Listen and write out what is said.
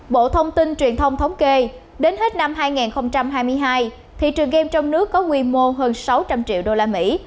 bộ thông tin truyền thông thống kê đến hết năm hai nghìn hai mươi hai thị trường game trong nước có quy mô hơn sáu trăm linh triệu đô la mỹ